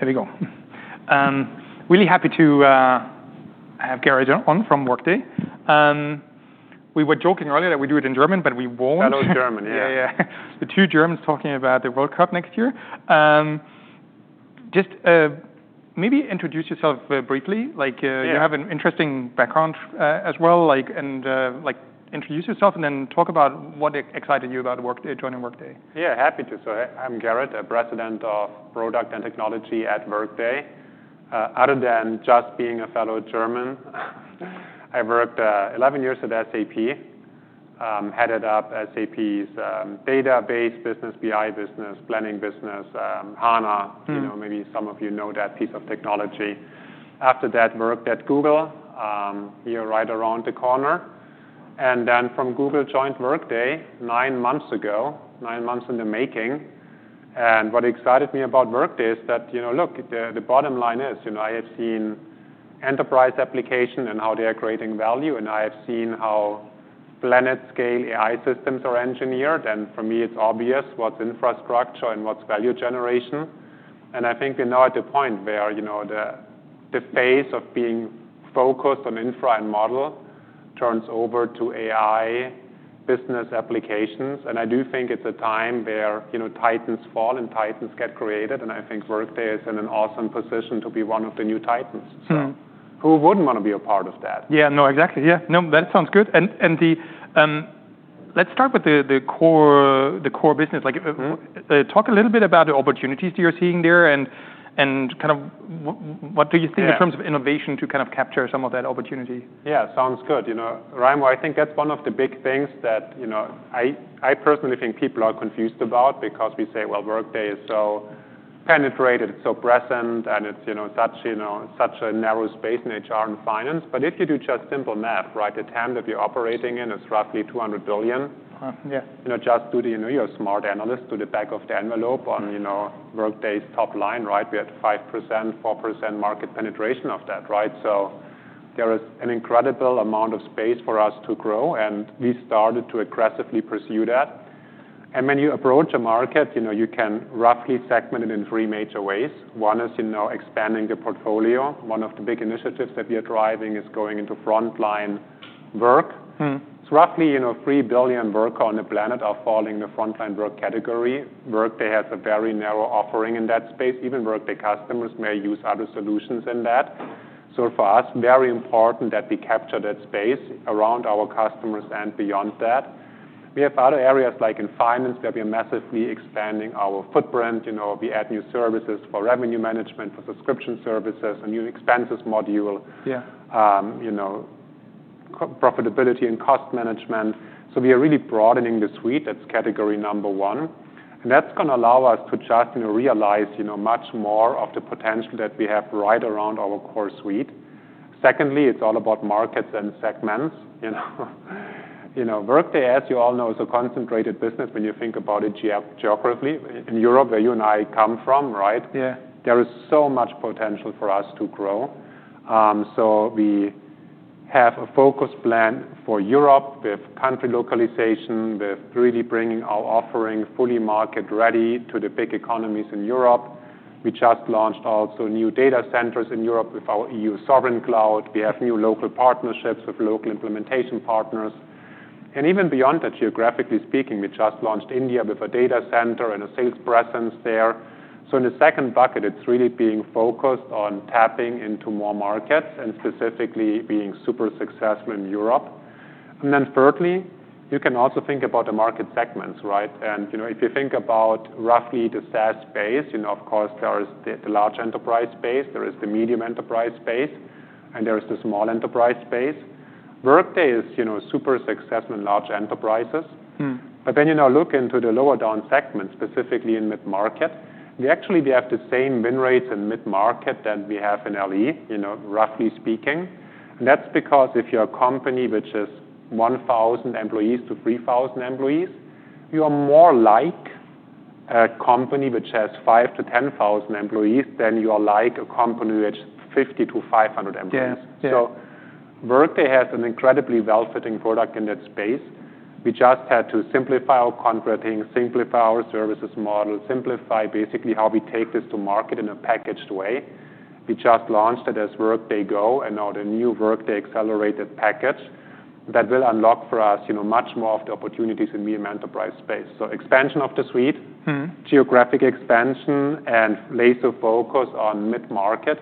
Here we go. Really happy to have Gerrit on from Workday. We were joking earlier that we do it in German, but we won't. That was German, yeah. Yeah. The two Germans talking about the World Cup next year. Just, maybe introduce yourself, briefly. Like, you have an interesting background, as well. Like, and, like, introduce yourself and then talk about what excited you about Workday, joining Workday. Yeah, happy to. So I'm Gerrit, President of Product and Technology at Workday. Other than just being a fellow German, I worked 11 years at SAP, headed up SAP's database business, BI business, planning business, HANA. You know, maybe some of you know that piece of technology. After that, worked at Google, here right around the corner. And then from Google joined Workday nine months ago, nine months in the making. And what excited me about Workday is that, you know, look, the bottom line is, you know, I have seen enterprise application and how they are creating value, and I have seen how planet-scale AI systems are engineered. And for me, it's obvious what's infrastructure and what's value generation. And I think we're now at the point where, you know, the phase of being focused on infra and model turns over to AI business applications. And I do think it's a time where, you know, titans fall and titans get created. And I think Workday is in an awesome position to be one of the new titans. So who wouldn't wanna be a part of that? Yeah. No, exactly. Yeah. No, that sounds good. And the, let's start with the core business. Like, talk a little bit about the opportunities you're seeing there and kind of what do you think in terms of innovation to kind of capture some of that opportunity? Yeah. Sounds good. You know, Raimo, I think that's one of the big things that, you know, I personally think people are confused about because we say, well, Workday is so penetrated, it's so present, and it's, you know, such, you know, such a narrow space in HR and Finance. But if you do just simple math, right, the TAM that you're operating in is roughly $200 billion. Huh. Yeah. You know, just do the, you know, you're a smart analyst, do the back of the envelope on, you know, Workday's top line, right? We had 5%, 4% market penetration of that, right? So there is an incredible amount of space for us to grow, and we started to aggressively pursue that, and when you approach a market, you know, you can roughly segment it in three major ways. One is, you know, expanding the portfolio. One of the big initiatives that we are driving is going into frontline work. It's roughly, you know, 3 billion workers on the planet are falling in the frontline work category. Workday has a very narrow offering in that space. Even Workday customers may use other solutions in that. So for us, very important that we capture that space around our customers and beyond that. We have other areas like in finance where we are massively expanding our footprint. You know, we add new services for revenue management, for subscription services, a new expenses module. You know, profitability and cost management. So we are really broadening the suite. That's category number one. And that's gonna allow us to just, you know, realize, you know, much more of the potential that we have right around our Core Suite. Secondly, it's all about markets and segments, you know. You know, Workday, as you all know, is a concentrated business when you think about it geography in Europe where you and I come from, right? Yeah. There is so much potential for us to grow. So we have a focus plan for Europe with country localization, with really bringing our offering fully market ready to the big economies in Europe. We just launched also new data centers in Europe with our EU Sovereign Cloud. We have new local partnerships with local implementation partners. And even beyond that, geographically speaking, we just launched India with a data center and a sales presence there. So in the second bucket, it's really being focused on tapping into more markets and specifically being super successful in Europe. And then thirdly, you can also think about the market segments, right? And, you know, if you think about roughly the SaaS space, you know, of course there is the, the large enterprise space, there is the medium enterprise space, and there is the small enterprise space. Workday is, you know, super successful in large enterprises. But then, you know, look into the lower down segment, specifically in mid-market. We actually, we have the same win rates in mid-market that we have in LE, you know, roughly speaking. And that's because if you're a company which is 1,000 employees to 3,000 employees, you are more like a company which has 5 to 10,000 employees than you are like a company which has 50 to 500 employees. Yeah. Yeah. So Workday has an incredibly well-fitting product in that space. We just had to simplify our contracting, simplify our services model, simplify basically how we take this to market in a packaged way. We just launched it as Workday Go, and now the new Workday Accelerated package that will unlock for us, you know, much more of the opportunities in medium enterprise space. So expansion of the suite. Geographic expansion and laser focus on mid-market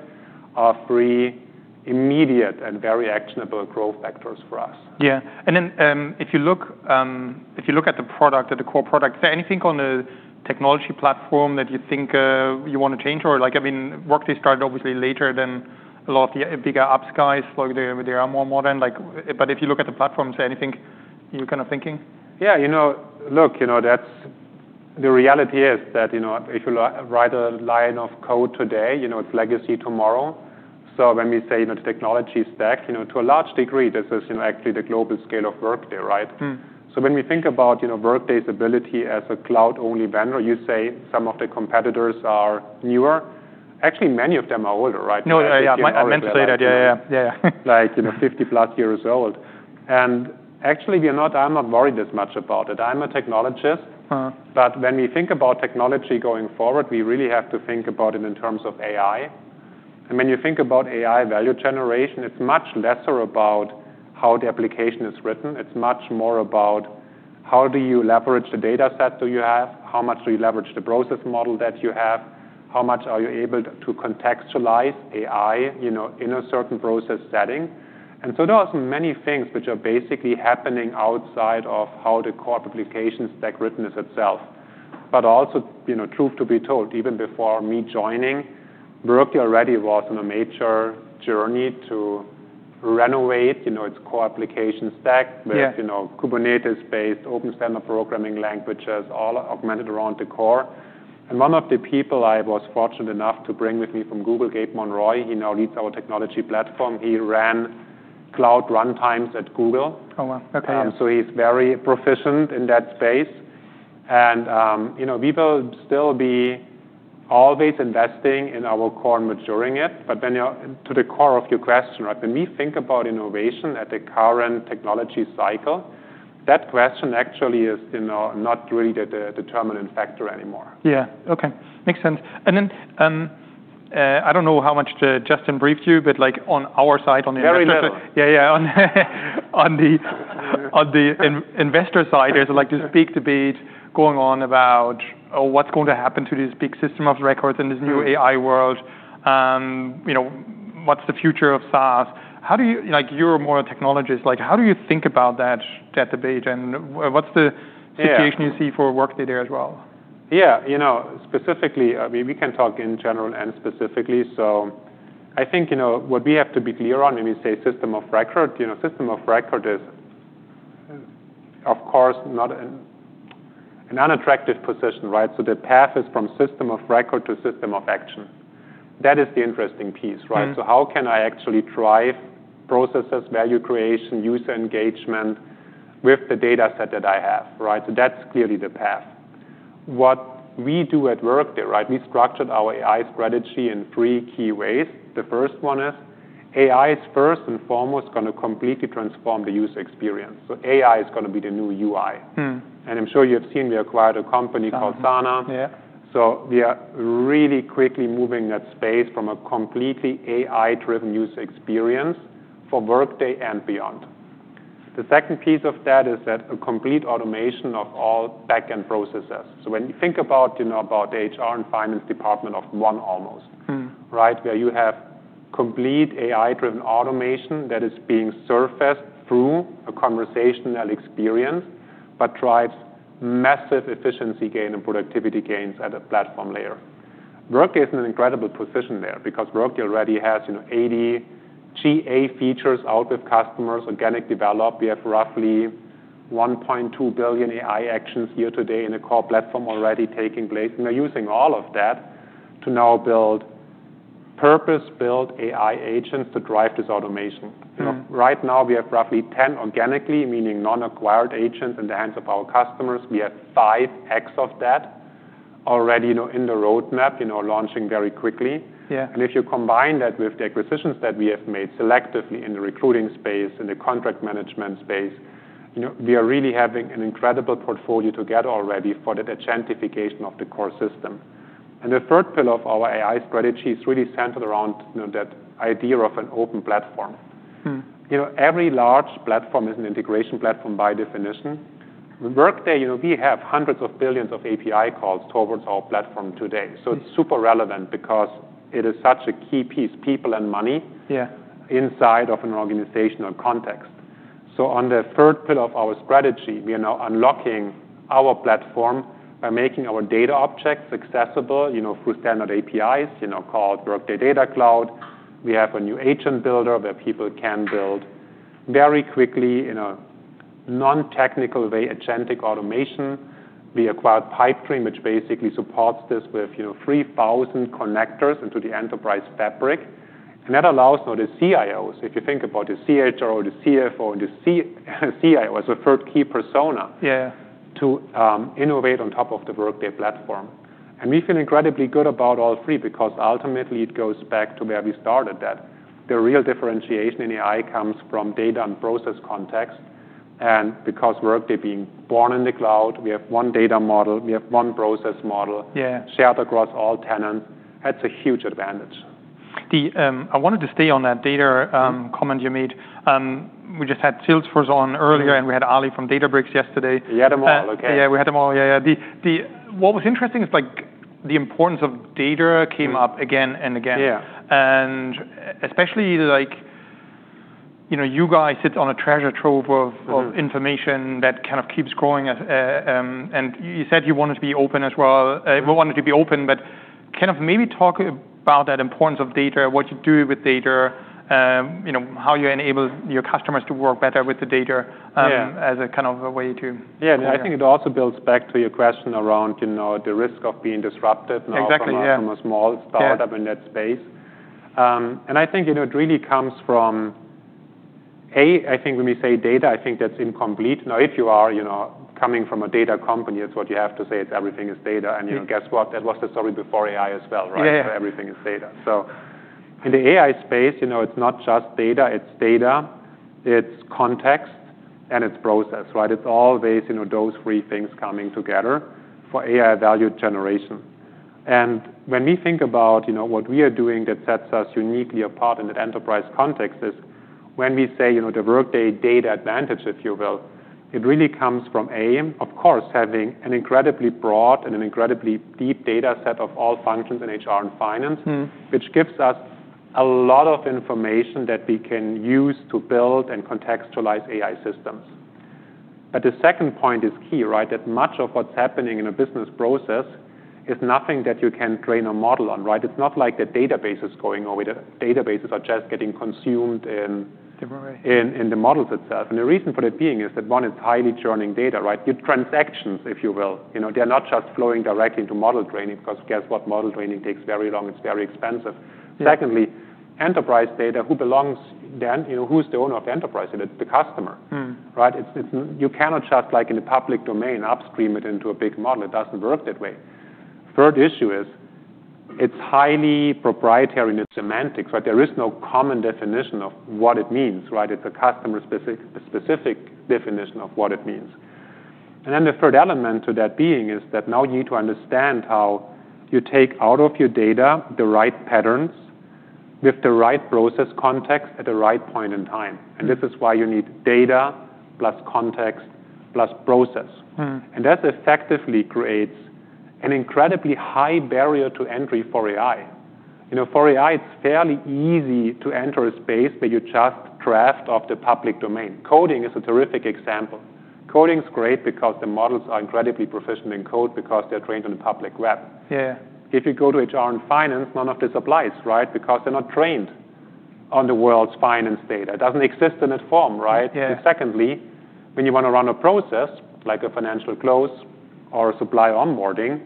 are three immediate and very actionable growth factors for us. Yeah. And then, if you look at the product, at the core product, is there anything on the technology platform that you think you wanna change? Or like, I mean, Workday started obviously later than a lot of the bigger ERP guys, like the Oracle, the SAP. Like, but if you look at the platform, is there anything you're kind of thinking? Yeah. You know, look, you know, that's the reality is that, you know, if you write a line of code today, you know, it's legacy tomorrow. So when we say, you know, the technology stack, you know, to a large degree, this is, you know, actually the global scale of Workday, right? So when we think about, you know, Workday's ability as a cloud-only vendor, you say some of the competitors are newer. Actually, many of them are older, right? No, I meant to say that. Yeah. Yeah. Yeah. Like, you know, 50+ years old, and actually, we are not. I'm not worried as much about it. I'm a Technologist. But when we think about technology going forward, we really have to think about it in terms of AI. And when you think about AI value generation, it's much lesser about how the application is written. It's much more about how do you leverage the dataset you have, how much do you leverage the process model that you have, how much are you able to contextualize AI, you know, in a certain process setting. And so there are so many things which are basically happening outside of how the core application stack is written itself. But also, you know, truth to be told, even before me joining, Workday already was on a major journey to renovate, you know, its core application stack. Yeah. With you know, Kubernetes-based open standard programming languages, all augmented around the core. And one of the people I was fortunate enough to bring with me from Google, Gabe Monroy. He now leads our technology platform. He ran cloud runtimes at Google. Oh, wow. Okay. So he's very proficient in that space. And, you know, we will still be always investing in our core and maturing it. But when you're to the core of your question, right, when we think about innovation at the current technology cycle, that question actually is, you know, not really the determining factor anymore. Yeah. Okay. Makes sense. And then, I don't know how much Justin briefed you, but like on our side on the investor. Very little. Yeah. On the investor side, there's like this big debate going on about, oh, what's going to happen to this big system of records in this new AI world? You know, what's the future of SaaS? How do you, like you're more a Technologist, like how do you think about that debate? And what's the situation you see for Workday there as well? Yeah. You know, specifically, I mean, we can talk in general and specifically. So I think, you know, what we have to be clear on when we say system of record, you know, system of record is, of course, not an unattractive position, right? So the path is from system of record to system of action. That is the interesting piece, right? So how can I actually drive processes, value creation, user engagement with the data set that I have, right? So that's clearly the path. What we do at Workday, right, we structured our AI strategy in three key ways. The first one is AI is first and foremost gonna completely transform the user experience. So AI is gonna be the new UI. And I'm sure you have seen, we acquired a company called Sana. Yeah. So we are really quickly moving that space from a completely AI-driven user experience for Workday and beyond. The second piece of that is that a complete automation of all backend processes. So when you think about, you know, about the HR and Finance Department of one almost. Right? Where you have complete AI-driven automation that is being surfaced through a conversational experience, but drives massive efficiency gain and productivity gains at a platform layer. Workday is in an incredible position there because Workday already has, you know, 80 GA features out with customers, organically developed. We have roughly 1.2 billion AI actions year to date in the core platform already taking place. And we're using all of that to now build purpose-built AI agents to drive this automation. You know, right now we have roughly 10 organically, meaning non-acquired agents in the hands of our customers. We have 5X of that already, you know, in the roadmap, you know, launching very quickly. Yeah. And if you combine that with the acquisitions that we have made selectively in the recruiting space, in the contract management space, you know, we are really having an incredible portfolio together already for the agentification of the core system. And the third pillar of our AI strategy is really centered around, you know, that idea of an open platform. You know, every large platform is an integration platform by definition. With Workday, you know, we have hundreds of billions of API calls towards our platform today. So it's super relevant because it is such a key piece, people and money. Yeah. Inside of an organizational context, so on the third pillar of our strategy, we are now unlocking our platform by making our data objects accessible, you know, through standard APIs, you know, called Workday Data Cloud. We have a new agent builder where people can build very quickly, in a non-technical way, agentic automation. We acquired Pipedream, which basically supports this with, you know, 3,000 connectors into the enterprise fabric, and that allows now the CIOs, if you think about the CHRO, the CFO, and the CIO as a third key persona. Yeah. Yeah. To innovate on top of the Workday platform. And we feel incredibly good about all three because ultimately it goes back to where we started at. The real differentiation in AI comes from data and process context. And because Workday, being born in the cloud, we have one data model, we have one process model. Yeah. Shared across all tenants. That's a huge advantage. I wanted to stay on that data comment you made. We just had Salesforce on earlier. We had Ali from Databricks yesterday. You had them all. Okay. Yeah. Yeah. We had them all. Yeah. Yeah. The what was interesting is like the importance of data came up again and again. Yeah. Especially, like, you know, you guys sit on a treasure trove of information that kind of keeps growing, and you said you wanted to be open as well. Yeah. Wanted to be open, but kind of maybe talk about that importance of data, what you do with data, you know, how you enable your customers to work better with the data as a kind of a way to. Yeah, and I think it also builds back to your question around, you know, the risk of being disrupted now. Exactly. Yeah. From a small startup in that space, and I think, you know, it really comes from A. I think when we say data, I think that's incomplete. Now, if you are, you know, coming from a data company, it's what you have to say. It's everything is data. Yeah. You know, guess what? That was the story before AI as well, right? Yeah. So everything is data. In the AI space, you know, it's not just data, it's data, it's context, and it's process, right? It's always, you know, those three things coming together for AI Value Generation. When we think about, you know, what we are doing that sets us uniquely apart in that enterprise context is when we say, you know, the Workday data advantage, if you will, it really comes from, a, of course, having an incredibly broad and an incredibly deep data set of all functions in HR and Finance. Which gives us a lot of information that we can use to build and contextualize AI systems. But the second point is key, right? That much of what's happening in a business process is nothing that you can train a model on, right? It's not like the database is going away. The databases are just getting consumed in. The memory. In the models itself. And the reason for that being is that one, it's highly churning data, right? Your transactions, if you will, you know, they're not just flowing directly into model training because guess what? Model training takes very long. It's very expensive. Yeah. Secondly, enterprise data, who belongs then, you know, who's the owner of the enterprise data? It's the customer. Right? You cannot just like in the public domain upstream it into a big model. It doesn't work that way. Third issue is it's highly proprietary in its semantics, right? There is no common definition of what it means, right? It's a customer-specific definition of what it means. And then the third element to that being is that now you need to understand how you take out of your data the right patterns with the right process context at the right point in time. And this is why you need data plus context plus process. And that effectively creates an incredibly high barrier to entry for AI. You know, for AI, it's fairly easy to enter a space where you just draft off the public domain. Coding is a terrific example. Coding's great because the models are incredibly proficient in code because they're trained on the public web. Yeah. If you go to HR and Finance, none of this applies, right? Because they're not trained on the world's finance data. It doesn't exist in that form, right? Yeah. Secondly, when you wanna run a process like a financial close or a supply onboarding,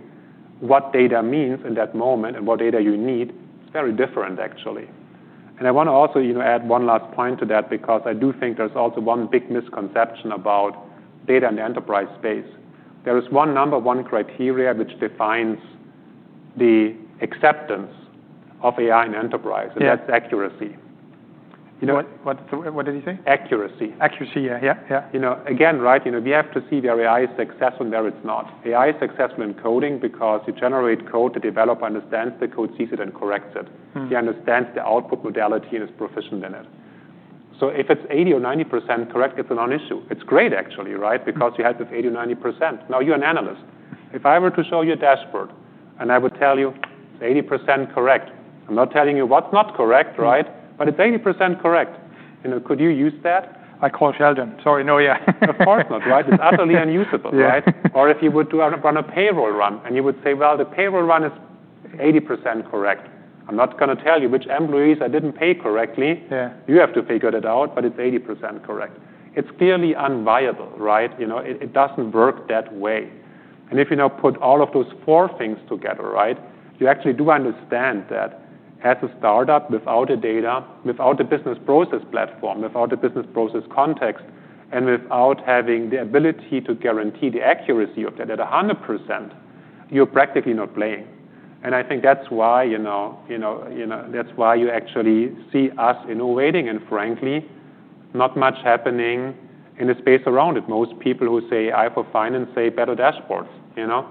what data means in that moment and what data you need is very different, actually. I wanna also, you know, add one last point to that because I do think there's also one big misconception about data in the enterprise space. There is one number, one criteria which defines the acceptance of AI in enterprise. Yeah. That's accuracy. You know what? What, what did you say? Accuracy. Accuracy. Yeah. Yeah. Yeah. You know, again, right? You know, we have to see where AI is successful and where it's not. AI is successful in coding because you generate code, the developer understands the code, sees it, and corrects it. He understands the output modality and is proficient in it. So if it's 80% or 90% correct, it's a non-issue. It's great, actually, right? Because you help with 80% or 90%. Now, you're an analyst. If I were to show you a dashboard and I would tell you it's 80% correct, I'm not telling you what's not correct, right? But it's 80% correct. You know, could you use that? I call Sheldon. Sorry. No. Yeah. Of course not, right? It's utterly unusable, right? Yeah. Or if you would do a payroll run and you would say, "Well, the payroll run is 80% correct." I'm not gonna tell you which employees I didn't pay correctly. Yeah. You have to figure that out, but it's 80% correct. It's clearly unviable, right? You know, it doesn't work that way, and if you now put all of those four things together, right, you actually do understand that as a startup without the data, without the business process platform, without the business process context, and without having the ability to guarantee the accuracy of that at 100%, you're practically not playing. And I think that's why, you know, you know, you know, that's why you actually see us innovating and, frankly, not much happening in the space around it. Most people who say AI for finance say better dashboards, you know,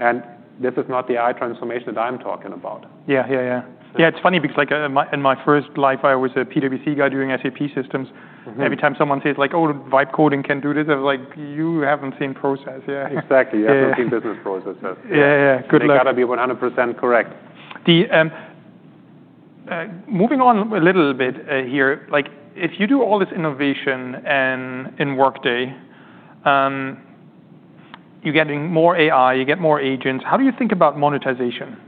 and this is not the AI transformation that I'm talking about. Yeah. It's funny because like, in my first life, I was a PwC guy doing SAP systems. And every time someone says like, "Oh, Vibe Coding can do this," I was like, "You haven't seen process." Yeah. Exactly. Yeah. You haven't seen business processes. Yeah. Yeah. Yeah. Good luck. You gotta be 100% correct. Moving on a little bit, here, like if you do all this innovation in Workday, you're getting more AI, you get more agents. How do you think about monetization?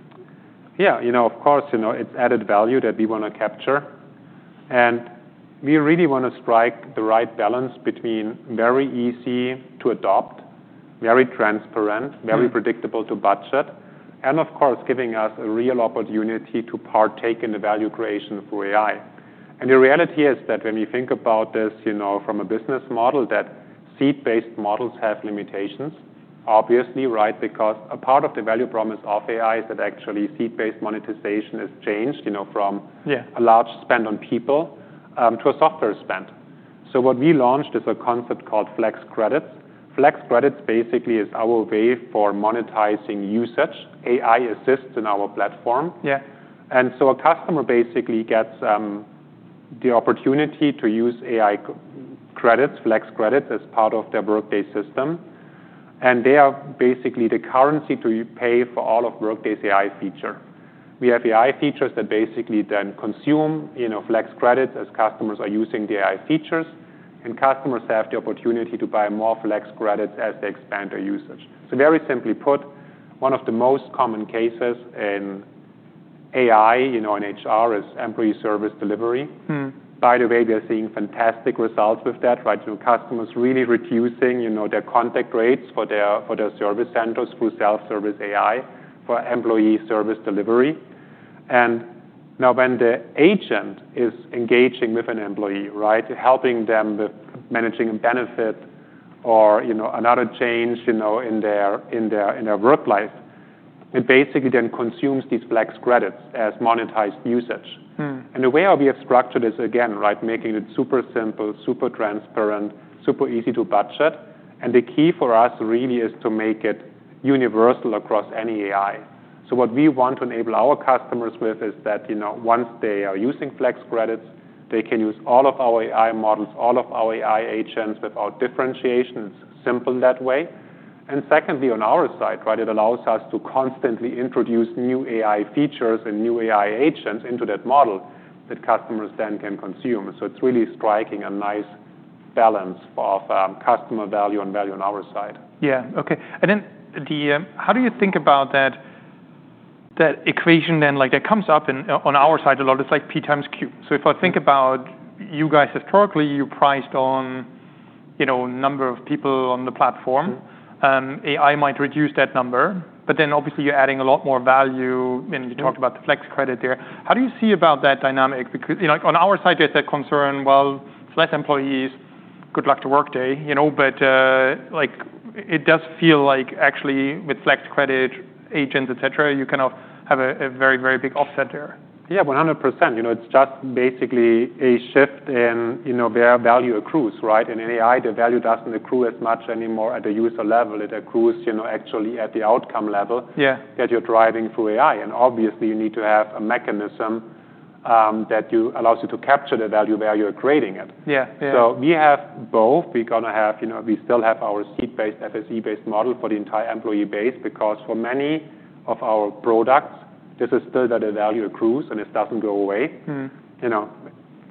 Yeah. You know, of course, you know, it's added value that we wanna capture. And we really wanna strike the right balance between very easy to adopt, very transparent. Very predictable to budget, and of course, giving us a real opportunity to partake in the value creation for AI. And the reality is that when we think about this, you know, from a business model, that seat-based models have limitations, obviously, right? Because a part of the value promise of AI is that actually seat-based monetization is changed, you know, from. Yeah. A large spend on people to a software spend. So what we launched is a concept called Flex Credits. Flex Credits basically is our way for monetizing usage. AI assists in our platform. Yeah. And so a customer basically gets the opportunity to use AI credits, Flex Credits, as part of their Workday system. And they are basically the currency to pay for all of Workday's AI features. We have AI features that basically then consume, you know, Flex Credits as customers are using the AI features, and customers have the opportunity to buy more Flex Credits as they expand their usage. So very simply put, one of the most common cases in AI, you know, in HR is employee service delivery. By the way, we are seeing fantastic results with that, right? You know, customers really reducing, you know, their contact rates for their service centers through self-service AI for employee service delivery. And now when the agent is engaging with an employee, right, helping them with managing a benefit or, you know, another change, you know, in their work life, it basically then consumes these Flex Credits as monetized usage. And the way we have structured this again, right, making it super simple, super transparent, super easy to budget. And the key for us really is to make it universal across any AI. So what we want to enable our customers with is that, you know, once they are using Flex Credits, they can use all of our AI models, all of our AI agents without differentiation. It's simple that way. And secondly, on our side, right, it allows us to constantly introduce new AI features and new AI agents into that model that customers then can consume. So it's really striking a nice balance of customer value and value on our side. Yeah. Okay. And then, how do you think about that equation then? Like, that comes up on our side a lot. It's like P times Q. So if I think about you guys historically, you priced on, you know, number of people on the platform. AI might reduce that number, but then obviously you're adding a lot more value. Yeah. You talked about the Flex Credit there. How do you see about that dynamic? Because, you know, on our side, there's that concern. Well, it's less employees. Good luck to Workday, you know? But, like it does feel like actually with Flex Credit, agents, et cetera., you kind of have a very, very big offset there. Yeah. 100%. You know, it's just basically a shift in, you know, where value accrues, right? In AI, the value doesn't accrue as much anymore at the user level. It accrues, you know, actually at the outcome level. Yeah. That you're driving through AI. And obviously, you need to have a mechanism that allows you to capture the value where you're creating it. Yeah. Yeah. So we have both. We're gonna have, you know, we still have our seat-based, FSE-based model for the entire employee base because for many of our products, this is still where the value accrues and it doesn't go away. You know,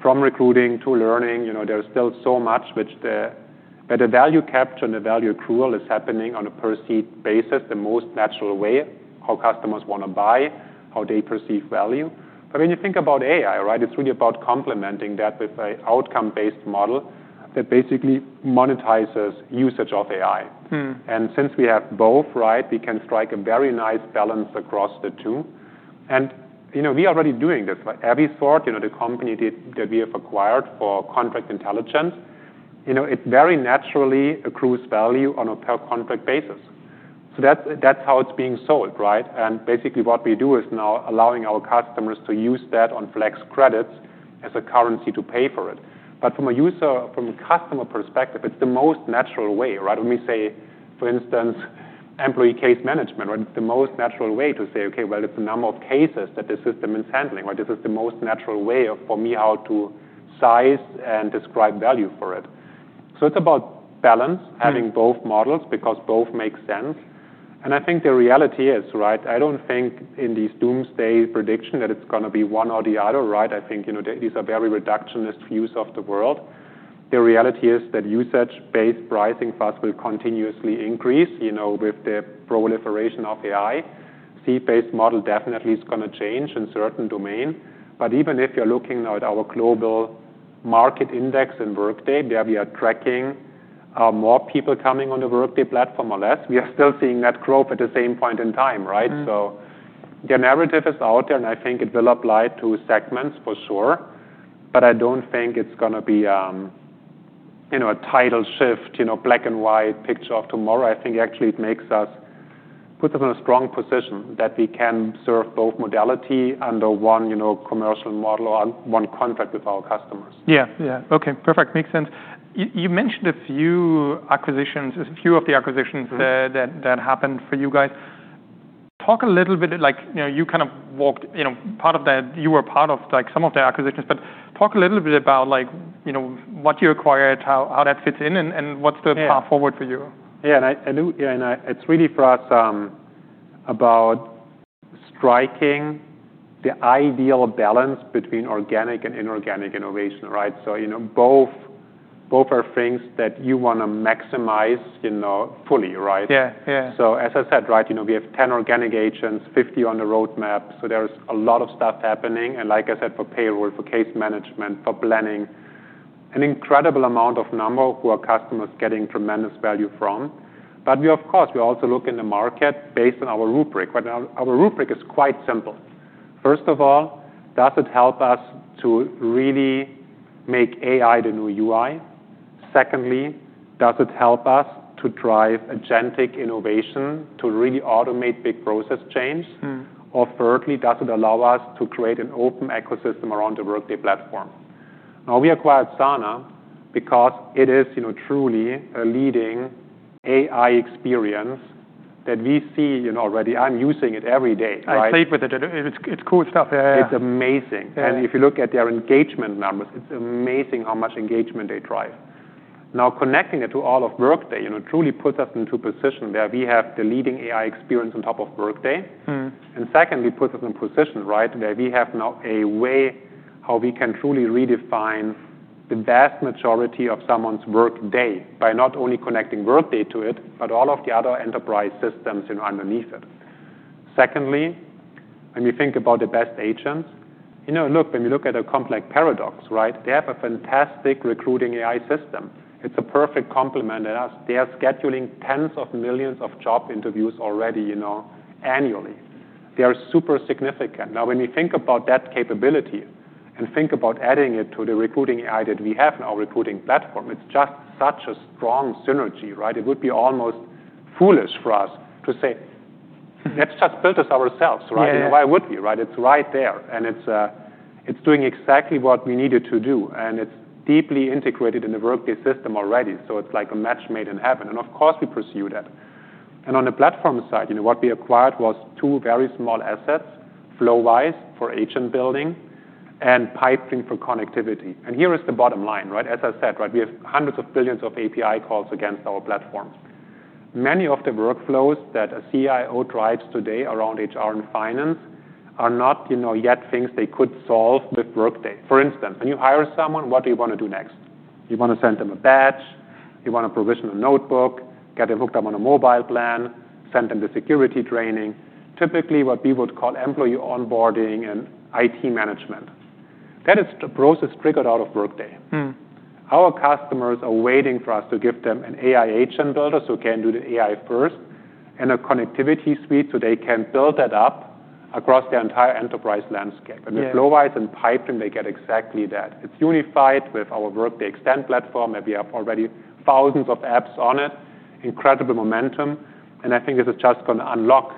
from recruiting to learning, you know, there's still so much which the, where the value capture and the value accrual is happening on a per seat basis, the most natural way, how customers wanna buy, how they perceive value. But when you think about AI, right, it's really about complementing that with an outcome-based model that basically monetizes usage of AI. And since we have both, right, we can strike a very nice balance across the two. And, you know, we are already doing this. Evisort, you know, the company that we have acquired for contract intelligence, you know, it very naturally accrues value on a per contract basis. So that's how it's being sold, right? And basically what we do is now allowing our customers to use that on Flex Credits as a currency to pay for it. But from a user, from a customer perspective, it's the most natural way, right? When we say, for instance, employee case management, right, it's the most natural way to say, "Okay, well, it's the number of cases that the system is handling," right? This is the most natural way for me how to size and describe value for it. So it's about balance. Yeah. Having both models because both make sense. And I think the reality is, right, I don't think in these doomsday predictions that it's gonna be one or the other, right? I think, you know, these are very reductionist views of the world. The reality is that usage-based pricing fast will continuously increase, you know, with the proliferation of AI. Seat-based model definitely is gonna change in certain domains. But even if you're looking now at our Global Market Index in Workday, where we are tracking more people coming on the Workday platform or less, we are still seeing that growth at the same point in time, right? So the narrative is out there, and I think it will apply to segments for sure. But I don't think it's gonna be, you know, a tidal shift, you know, black and white picture of tomorrow. I think actually it makes us, puts us in a strong position that we can serve both modality under one, you know, commercial model or one contract with our customers. Yeah. Yeah. Okay. Perfect. Makes sense. You mentioned a few acquisitions, a few of the acquisitions that happened for you guys. Talk a little bit, like, you know, you kind of walked, you know, part of that, you were part of like some of the acquisitions, but talk a little bit about like, you know, what you acquired, how that fits in, and what's the path forward for you? Yeah. And I do, it's really for us about striking the ideal balance between organic and inorganic innovation, right? So, you know, both are things that you wanna maximize, you know, fully, right? Yeah. Yeah. As I said, right, you know, we have 10 organic agents, 50 on the roadmap. So there's a lot of stuff happening. And like I said, for payroll, for case management, for planning, an incredible number of customers who are getting tremendous value from. But we, of course, we also look in the market based on our rubric, right? Now, our rubric is quite simple. First of all, does it help us to really make AI the new UI? Secondly, does it help us to drive agentic innovation to really automate big process change? Or thirdly, does it allow us to create an open ecosystem around the Workday platform? Now, we acquired Sana because it is, you know, truly a leading AI experience that we see, you know, already. I'm using it every day, right? I sleep with it. It's, it's cool stuff. Yeah. Yeah. It's amazing. Yeah. And if you look at their engagement numbers, it's amazing how much engagement they drive. Now, connecting it to all of Workday, you know, truly puts us into a position where we have the leading AI experience on top of Workday. And secondly, puts us in a position, right, where we have now a way how we can truly redefine the vast majority of someone's workday by not only connecting Workday to it, but all of the other enterprise systems, you know, underneath it. Secondly, when we think about the best agents, you know, look, when we look at a complex Paradox, right, they have a fantastic recruiting AI system. It's a perfect complement to us. They are scheduling tens of millions of job interviews already, you know, annually. They are super significant. Now, when we think about that capability and think about adding it to the recruiting AI that we have in our recruiting platform, it's just such a strong synergy, right? It would be almost foolish for us to say, "Let's just build this ourselves," right? Yeah. You know, why would we, right? It's right there. And it's doing exactly what we need it to do. And it's deeply integrated in the Workday system already. So it's like a match made in heaven. And of course, we pursue that. And on the platform side, you know, what we acquired was two very small assets, Flowise for agent building and Pipedream for connectivity. And here is the bottom line, right? As I said, right, we have hundreds of billions of API calls against our platforms. Many of the workflows that a CIO drives today around HR and Finance are not, you know, yet things they could solve with Workday. For instance, when you hire someone, what do you wanna do next? You wanna send them a badge? You wanna provision a notebook, get them hooked up on a mobile plan, send them the security training, typically what we would call employee onboarding and IT management. That is a process triggered out of Workday. Our customers are waiting for us to give them an AI agent builder so they can do the AI first and a connectivity suite so they can build that up across their entire enterprise landscape. And the Flowise and Pipedream, they get exactly that. It's unified with our Workday Extend platform where we have already thousands of apps on it, incredible momentum. And I think this is just gonna unlock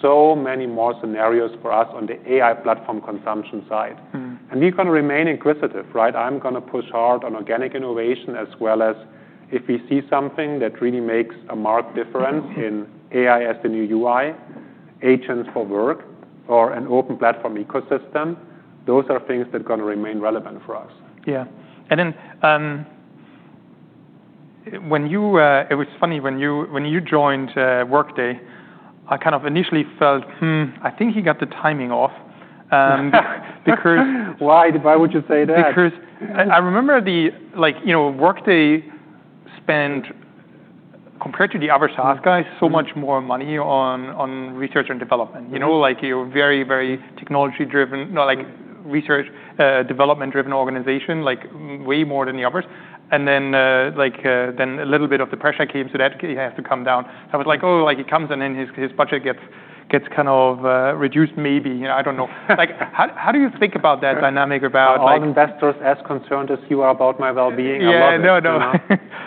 so many more scenarios for us on the AI platform consumption side. And we're gonna remain inquisitive, right? I'm gonna push hard on organic innovation as well as if we see something that really makes a marked difference. In AI as the new UI, agents for work, or an open platform ecosystem, those are things that are gonna remain relevant for us. Yeah, and then it was funny when you joined Workday. I kind of initially felt, I think he got the timing off. Why? Why would you say that? Because I remember the, like, you know, Workday spend, compared to the other SaaS guys, so much more money on research and development. Yeah. You know, like you're a very, very technology-driven, not like research, development-driven organization, like way more than the others. And then, like, then a little bit of the pressure came so that he has to come down. I was like, "Oh, like he comes and then his budget gets kind of reduced maybe, you know, I don't know." Like, how do you think about that dynamic about like? I'm not as concerned as investors are about my well-being.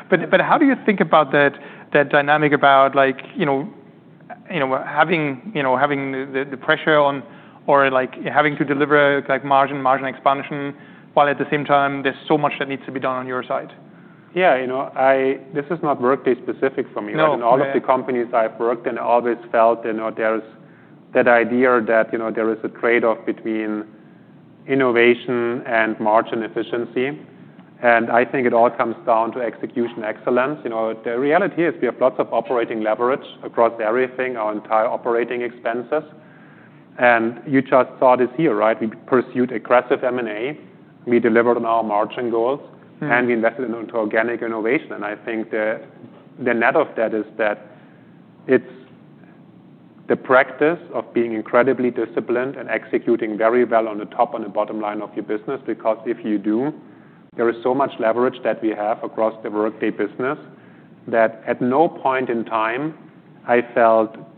But how do you think about that dynamic about like, you know, having the pressure on or like having to deliver like margin expansion while at the same time there's so much that needs to be done on your side? Yeah. You know, I, this is not Workday specific for me. No. In all of the companies I've worked in, I always felt, you know, there's that idea that, you know, there is a trade-off between innovation and margin efficiency. And I think it all comes down to execution excellence. You know, the reality is we have lots of operating leverage across everything, our entire operating expenses. And you just saw this here, right? We pursued aggressive M&A. We delivered on our margin goals. And we invested into organic innovation. And I think the net of that is that it's the practice of being incredibly disciplined and executing very well on the top and the bottom line of your business because if you do, there is so much leverage that we have across the Workday business that at no point in time I felt constrained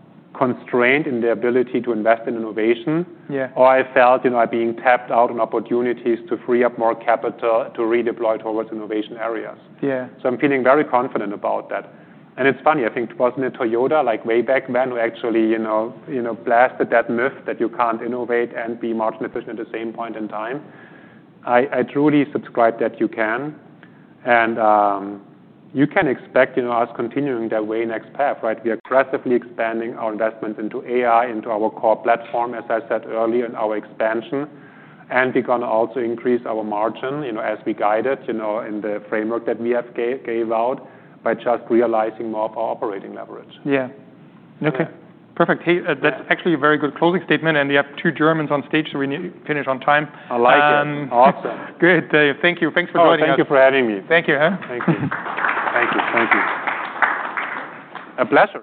in the ability to invest in innovation. Yeah. Or I felt, you know, I'm being tapped out on opportunities to free up more capital to redeploy towards innovation areas. Yeah. So I'm feeling very confident about that. It's funny. I think it was Toyota way back when who actually, you know, blasted that myth that you can't innovate and be margin efficient at the same point in time. I truly subscribe that you can. You can expect, you know, us continuing that way next year, right? We are aggressively expanding our investments into AI, into our core platform, as I said earlier, and our expansion. We're gonna also increase our margin, you know, as we guide it, you know, in the framework that we gave out by just realizing more of our operating leverage. Yeah. Okay. Perfect. Hey, that's actually a very good closing statement, and you have two Germans on stage, so we need to finish on time. I like it. Awesome. Good. Thank you. Thanks for joining us. Thank you for having me. Thank you. Thank you. Thank you. Thank you. A bless.